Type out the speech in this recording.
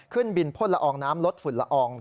ขึ้นบินพ่นละอองน้ำลดฝุ่นละออง